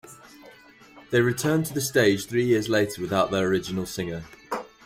They returned to the stage three years later without their original singer.